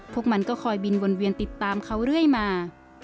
พวกมันก็คอยบินวนเวียนติดตามเขาเรื่อยมา